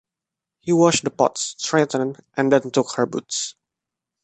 He washed the pots, straightened, and then took her boots.